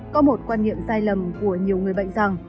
có một quan niệm sai lầm của nhiều người bệnh rằng